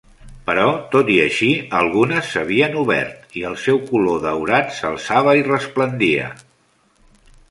Però tot i així algunes s'havien obert, i el seu color daurat s'alçava i resplendia.